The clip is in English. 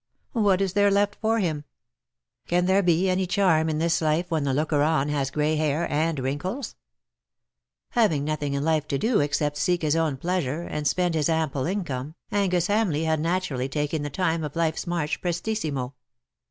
What is there left for him ? Can there be any charm in this life when the looker on has grey hair and wrinkles ? THE LOVELACE OF HIS DAY. 39 Having nothing in life to do except seek liis own pleasure and spend his ample income^ Angus Hamleigh had naturally taken the time of life's march prestissimo.